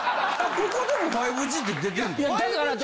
ここでも５Ｇって出てるで。